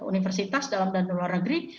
universitas dalam dan luar negeri